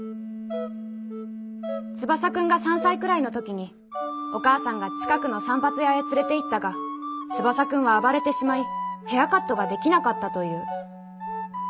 ツバサ君が三歳くらいのときにお母さんが近くの散髪屋へ連れて行ったがツバサ君は暴れてしまいヘアカットができなかったという。